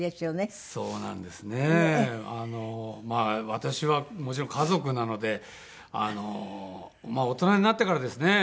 私はもちろん家族なのであの大人になってからですね。